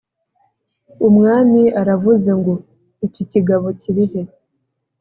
Umwami aravuze ngo Iki kigabo kirihe